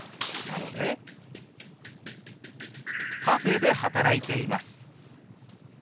なので「カフェで働いています」。